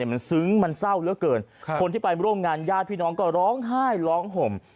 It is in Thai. มันซึ้งมันเศร้าเหลือเกินคนที่ไปร่วมงานญาติพี่น้องก็ร้องไห้ร้องห่ม